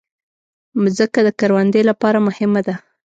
مځکه د کروندې لپاره مهمه ده.